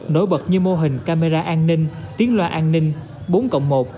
nổi bật như mô hình camera an ninh tiến loa an ninh bốn cộng một